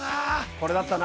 これだったな！